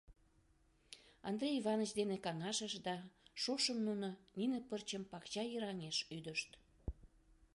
Андрей Иваныч дене каҥашыш, да шошым нуно нине пырчым пакча йыраҥеш ӱдышт.